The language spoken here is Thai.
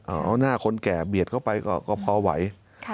เอาหน้าคนแก่เบียดเข้าไปก็พอไหว